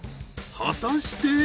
果たして！？